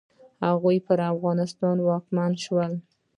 هغوی پر افغانستان واکمن شول.